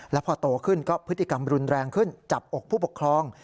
แล้วพอโตขึ้นก็พฤติกรรมรุนแรงขึ้นจับอกผู้ปกครอง